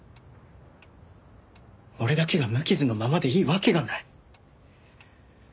俺だけが無傷のままでいいわけがない。